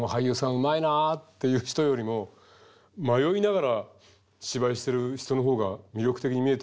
うまいなあっていう人よりも迷いながら芝居してる人の方が魅力的に見えてしまったりするんですね